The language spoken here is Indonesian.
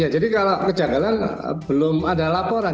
ya jadi kalau kejanggalan belum ada laporan